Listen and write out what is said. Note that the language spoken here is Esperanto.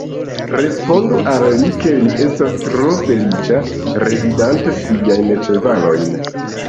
Respondu al li, ke li estas tro feliĉa, revidante siajn ĉevalojn.